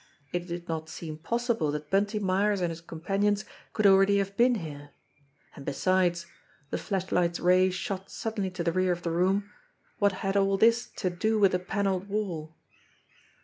It did not seem possible that Bunty Myers and his companions could already have been here. And besides the flashlight's ray shot suddenly to the rear of the room what had all this to do with the panelled wall